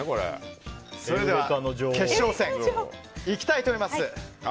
それでは決勝戦いきたいと思います。